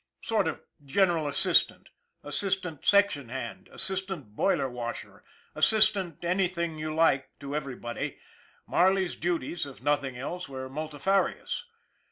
Sort of general assist ant, assistant section hand, assistant boiler washer, assistant anything you like to everybody Marley's duties, if nothing else, were multifarious.